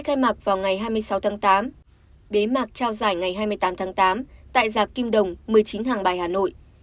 diễn vào ngày hai mươi sáu tháng tám bế mạc trao giải ngày hai mươi tám tháng tám tại giạc kim đồng một mươi chín hàng bài hà nội